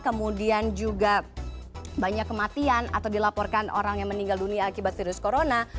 kemudian juga banyak kematian atau dilaporkan orang yang meninggal dunia akibat virus corona